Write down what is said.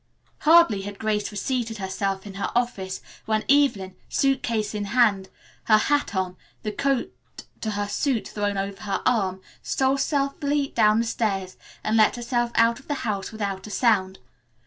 Hardly had Grace reseated herself in her office when Evelyn, suit case in hand, her hat on, the coat to her suit thrown over her arm, stole stealthily down the stairs and let herself out of the house without a sound.